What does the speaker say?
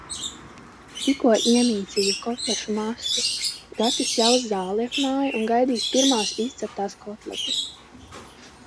Tikko iemīcīju kotlešu masu, Gatis pļaus zāli ap māju un gaidīs pirmās izceptās kotletes.